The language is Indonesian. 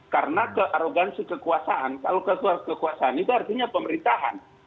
karena kearogansi kekuasaan kalau kekuasaan itu artinya pemerintahan